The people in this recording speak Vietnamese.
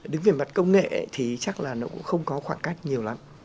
đứng về mặt công nghệ thì chắc là nó cũng không có khoảng cách nhiều lắm